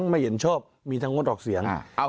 ที่ไม่มีนิวบายในการแก้ไขมาตรา๑๑๒